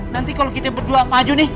nanti kalau kita berdua maju nih